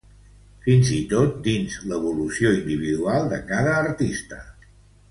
Fins i tot dins l'evolució individual de cada artista.